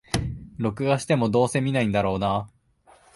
録画しても、どうせ観ないんだろうなあ